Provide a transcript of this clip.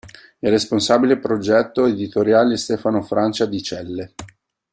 Il responsabile progetto editoriale è Stefano Francia di Celle.